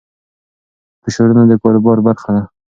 فشارونه د کاروبار برخه ده.